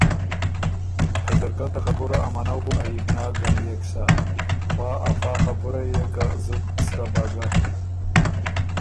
ته ځرکۀ ته خبُره ا منؤ عئبناک ګنړيېک سَۀ خوا افا خبُره يې که زُت سرۀ بَۀ ګۀ۔